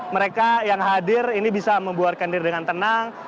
mereka yang hadir ini bisa membuarkan diri dengan tenang